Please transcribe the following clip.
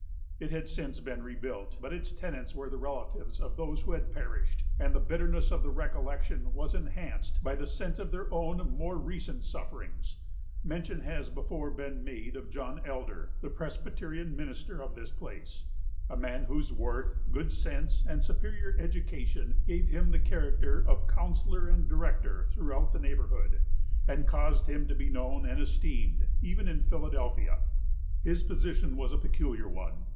It had since been rebuilt; but its tenants were the relatives of those who had perished, and the bitterness of the recollection was enhanced by the sense of their own more recent sufferings. Mention has before been made of John Elder, the Presbyterian minister of this place; a man whose worth, good sense, and superior education gave him the character of counsellor and director throughout the neighborhood, and caused him to be known and esteemed even in Philadelphia. His position was a peculiar one.